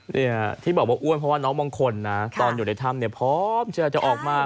เนี่ยที่บอกว่าอ้วนเพราะว่าน้องบางคนนะตอนอยู่ในถ้ำเนี่ยพร้อมที่จะออกมา